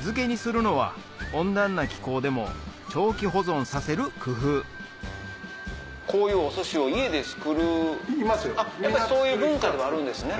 漬けにするのは温暖な気候でも長期保存させる工夫そういう文化ではあるんですね？